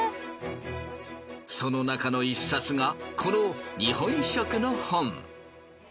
そのなかの１冊がこの日本食の本。